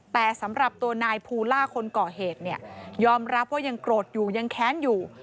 แต่สำหรับตัวนายภูล่าคนก่อเหตุเนี่ยยอมรับว่ายังโกรธอยู่ยังแค้นอยู่